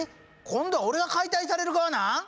今度は俺が解体される側なん？